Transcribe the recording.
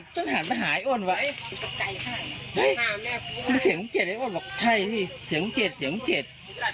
ต้องหาไปหายอ้วนไว้มันเสียงลุงเจสไว้อ้วนบอกใช่นี่เสียงลุงเจสเสียงลุงเจส